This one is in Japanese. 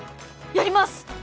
やります